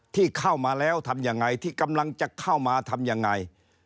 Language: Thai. ที่เข้ามาแล้วทำยังไงที่กำลังจะเข้ามาทำยังไง